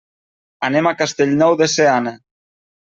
Anem a Castellnou de Seana.